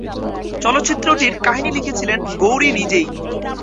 চলচ্চিত্রটির কাহিনী লিখেছিলেন গৌরী নিজেই।